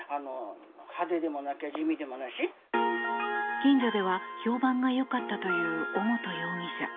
近所では評判がよかったという尾本容疑者。